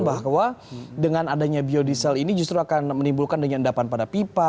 bahwa dengan adanya biodiesel ini justru akan menimbulkan penyendapan pada pipa